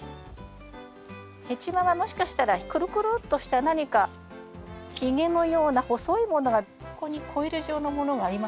ヘチマはもしかしたらくるくるっとした何かひげのような細いものがここにコイル状のものがありませんか？